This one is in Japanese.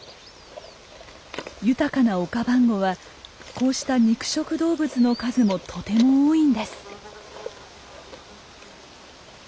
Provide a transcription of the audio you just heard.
豊かなオカバンゴはこうした肉食動物の数もとても多いんです。